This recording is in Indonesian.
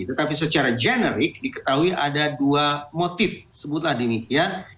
tetapi secara generik diketahui ada dua motif sebutlah demikian